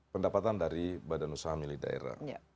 pendapatan dari badan usaha milik daerah